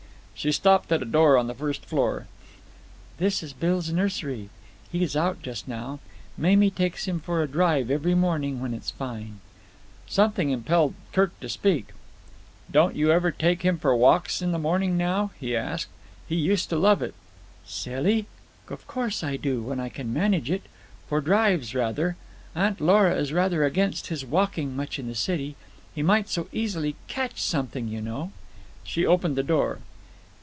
She stopped at a door on the first floor. "This is Bill's nursery. He's out just now. Mamie takes him for a drive every morning when it's fine." Something impelled Kirk to speak. "Don't you ever take him for walks in the morning now?" he asked. "He used to love it." "Silly! Of course I do, when I can manage it. For drives, rather. Aunt Lora is rather against his walking much in the city. He might so easily catch something, you know." She opened the door.